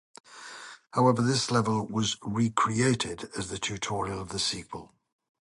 However this level was recreated as the tutorial of the sequel.